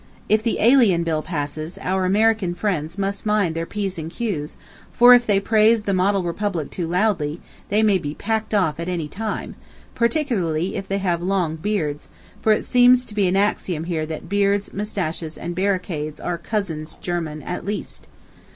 ... If the Alien Bill passes, our American friends must mind their p's and q's, for if they praise the "model republic" too loudly, they may be packed off at any time, particularly if they have "long beards," for it seems to be an axiom here that beards, mustaches, and barricades are cousins german at least.